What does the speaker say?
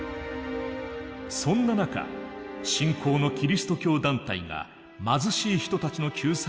そんな中新興のキリスト教団体が貧しい人たちの救済を願い